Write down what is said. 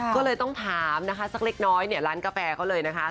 ก็เลยต้องถามนะคะสักเล็กน้อยเนี่ยร้านกาแฟเขาเลยนะคะ